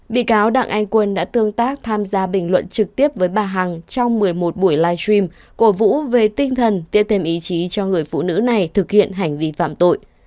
bị cáo đặng anh quân đã tương tác tham gia bình luận trực tiếp với bà hằng trong một mươi một buổi live stream cổ vũ về tinh thần tiếp thêm ý chí cho người phụ nữ này thực hiện hành vi phạm tội